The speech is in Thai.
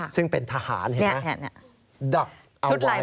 ซึ่งเป็นทหารเห็นไหม